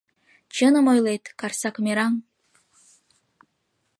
— Чыным ойлет, карсак мераҥ!